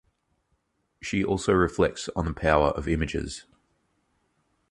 She also reflects on the power of images.